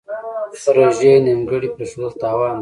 پروژې نیمګړې پریښودل تاوان دی.